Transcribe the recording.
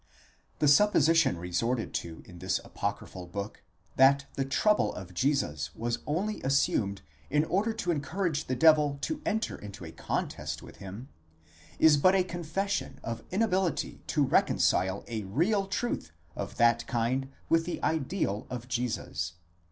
The supposition resorted to in this apocryphal book, that the trouble of Jesus was only assumed in order to en courage the devil to enter into a contest with him,* is but a confession of inability to reconcile a real truth of that kind with the ideal of Jesus.